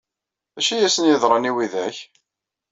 D acu ay asen-yeḍran i widak?